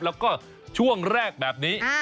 แล้วก็ช่วงแรกแบบนี้